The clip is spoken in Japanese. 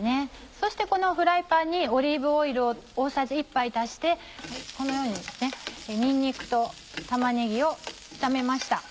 そしてこのフライパンにオリーブオイルを大さじ１杯足してこのようににんにくと玉ねぎを炒めました。